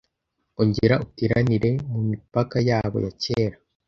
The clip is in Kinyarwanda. Ongera uteranire mumipaka yabo ya kera.